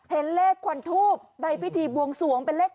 เห็นเลขควันทูบในพิธีบวงสวงเป็นเลข๗